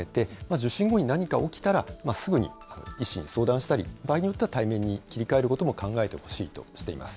受診後に何か起きたら、すぐに医師に相談したり、場合によっては対面に切り替えることも考えてほしいとしています。